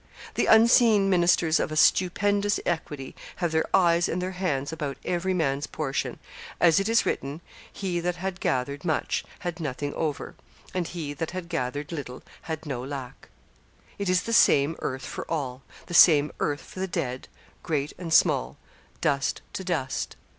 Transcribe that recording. The unseen ministers of a stupendous equity have their eyes and their hands about every man's portion; 'as it is written, he that had gathered much had nothing over; and he that had gathered little had no lack.' It is the same earth for all; the same earth for the dead, great and small; dust to dust.